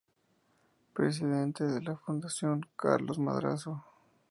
Presidente de la Fundación Carlos Madrazo.